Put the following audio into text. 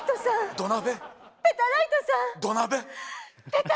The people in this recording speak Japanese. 土鍋！